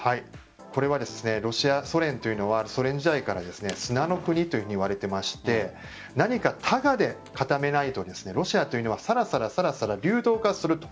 これは、ロシアというのはソ連時代から砂の国といわれていまして何かタガで固めないとロシアはサラサラ流動化すると